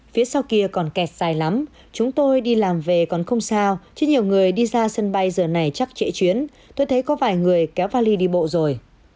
phía sau kia còn kẹt dài lắm chúng tôi đi làm về còn không sao chứ nhiều người đi ra sân bay giờ này chắc chạy chuyến tôi thấy có vài người kéo vali đi bộ rồi